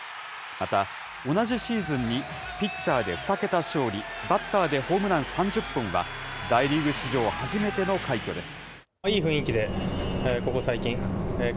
また、同じシーズンにピッチャーで２桁勝利、バッターでホームラン３０本は、大リーグ史上初めての快挙です。